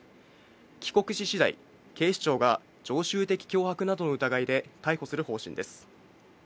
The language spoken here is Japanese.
帰国し次第、警視庁が常習的脅迫などの疑いで逮捕する方針です。